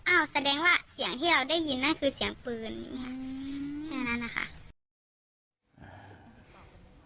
แสดงว่าเสียงที่เราได้ยินนั่นคือเสียงปืนค่ะแค่นั้นนะคะ